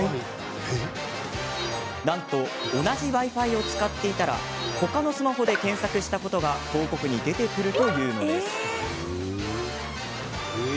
なんと同じＷｉ−Ｆｉを使っていたら他のスマホで検索したことが広告に出てくるというのです。